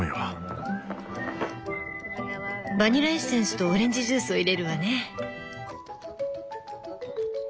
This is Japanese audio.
バニラエッセンスとオレンジジュースを入れるわね。